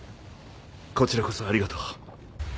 こちらこそありがとう。